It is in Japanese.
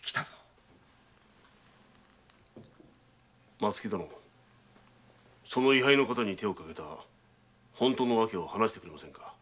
松木殿その位牌の方に手をかけた本当の訳を話してくれませんか。